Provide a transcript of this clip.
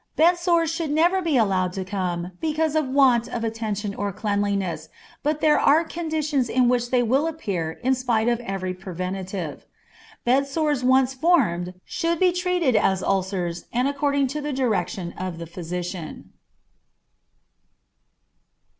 Bed sores should never be allowed to come because of want of attention or cleanliness, but there are conditions in which they will appear in spite of every preventive. Bed sores once formed should be treated as ulcers and according to the direction of the physician.